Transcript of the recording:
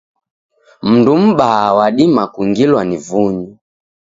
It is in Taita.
Mndu m'baa wadima kungilwa ni vunyu.